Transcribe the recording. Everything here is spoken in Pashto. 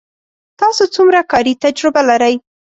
تاسو څومره کاري تجربه لرئ